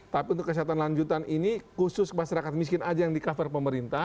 tapi untuk kesehatan lanjutan ini khusus masyarakat miskin aja yang di cover pemerintah